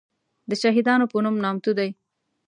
دشهیدانو په نوم نامتو دی.